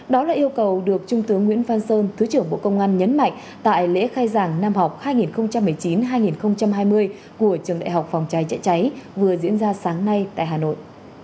đó là yêu cầu được trung tướng nguyễn phan sơn thứ trưởng bộ công an nhấn mạnh tại lễ khai giảng năm học hai nghìn một mươi chín hai nghìn hai mươi của trường đại học phòng cháy chữa cháy vừa diễn ra sáng nay tại hà nội